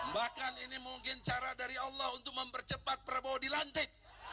bahkan ini mungkin cara dari allah untuk mempercepat prabowo dilantik